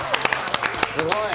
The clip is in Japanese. すごい！